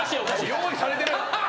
用意されてる！